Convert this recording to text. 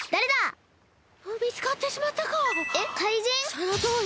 そのとおり！